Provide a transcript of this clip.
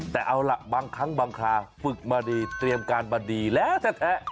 แต่เอาล่ะบางครั้งบางคราฝึกมาดีเตรียมการมาดีแล้วแท้